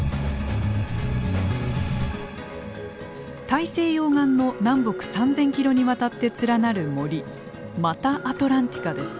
大西洋岸の南北３，０００キロにわたって連なる森マタアトランティカです。